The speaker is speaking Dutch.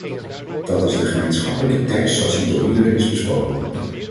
Dat is de gemeenschappelijke tekst zoals die door iedereen is besproken.